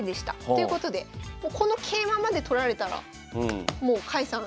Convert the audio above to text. ということでこの桂馬まで取られたらもう甲斐さん